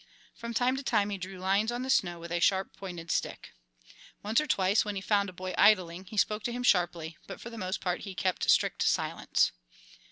From time to time he drew lines on the snow with a sharp pointed stick. Once or twice, when he found a boy idling, he spoke to him sharply, but for the most part he kept strict silence.